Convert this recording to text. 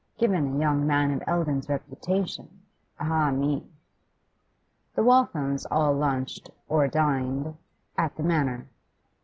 Given a young man of Eldon's reputation ah me! The Walthams all lunched (or dined) at the Manor.